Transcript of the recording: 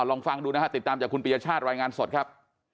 ลองฟังดูนะฮะติดตามจากคุณปียชาติรายงานสดครับ